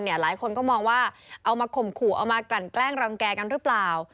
หลายคนก็มองว่าเอามาข่มขู่เอามากลั่นแกล้งรังแก่กันหรือเปล่า